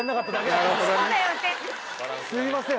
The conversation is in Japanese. すいません。